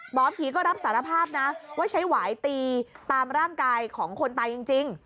หมอผีก็รับสารภาพนะว่าใช้หวายตีตามร่างกายของคนตายจริง